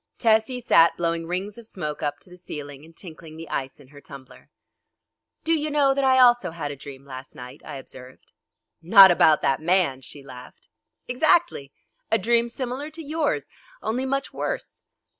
Tessie sat blowing rings of smoke up to the ceiling and tinkling the ice in her tumbler. "Do you know that I also had a dream last night?" I observed. "Not about that man," she laughed. "Exactly. A dream similar to yours, only much worse."